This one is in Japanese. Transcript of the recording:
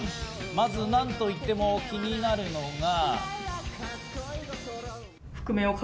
まずなんといっても気になるのが。